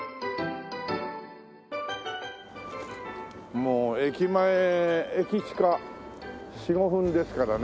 もう駅前駅近４５分ですからね。